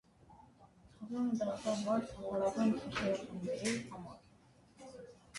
Թատրոնը դարձավ վայր թափառական թատերախմբերի համար։